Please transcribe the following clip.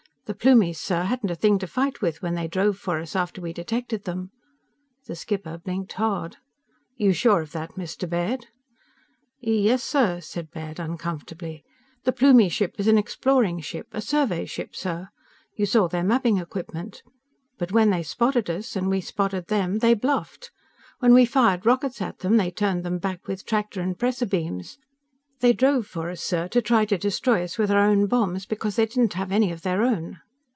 The Plumies, sir, hadn't a thing to fight with when they drove for us after we detected them." The skipper blinked hard. "Are you sure of that, Mr. Baird?" "Yes, sir," said Baird uncomfortably. "The Plumie ship is an exploring ship a survey ship, sir. You saw their mapping equipment. But when they spotted us, and we spotted them they bluffed! When we fired rockets at them, they turned them back with tractor and pressor beams. They drove for us, sir, to try to destroy us with our own bombs, because they didn't have any of their own."